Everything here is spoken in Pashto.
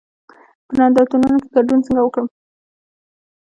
په نندارتونونو کې ګډون څنګه وکړم؟